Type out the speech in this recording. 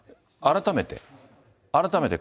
改めて？